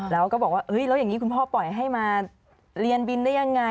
แล้วก็บอกว่าแล้วอย่างนี้คุณพ่อปล่อยให้มาเรียนบินได้ยังไง